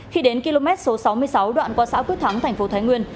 khi đến km số sáu mươi sáu đoạn qua xã quyết thắng tp thái nguyên